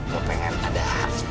gua pengen ada